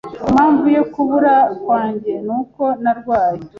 Impamvu yo kubura kwanjye nuko narwaye.